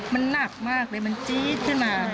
มันหนักมากเลยมันจี๊ดขึ้นมา